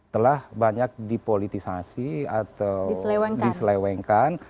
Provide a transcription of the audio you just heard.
telah banyak dipolitisasi atau diselewengkan